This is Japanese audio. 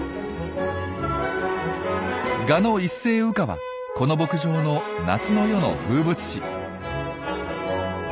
ガの一斉羽化はこの牧場の夏の夜の風物詩。